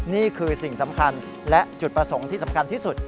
นี่คือสิ่งสำคัญและจุดประสงค์ที่สำคัญที่สุด